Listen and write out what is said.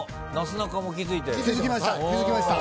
気付きました。